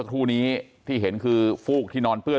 กลุ่มตัวเชียงใหม่